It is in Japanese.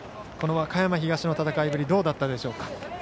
この和歌山東の戦いぶりどうだったでしょうか？